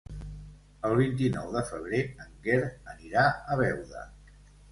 El vint-i-nou de febrer en Quer anirà a Beuda.